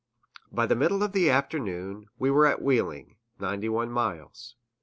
By the middle of the afternoon, we were at Wheeling (91 miles).